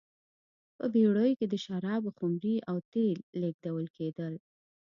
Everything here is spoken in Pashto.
په بېړیو کې د شرابو خُمرې او تېل لېږدول کېدل.